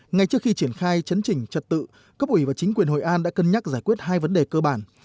ngay trước khi triển khai chấn chỉnh trật tự cấp ủy và chính quyền hội an đã cân nhắc giải quyết hai vấn đề cơ bản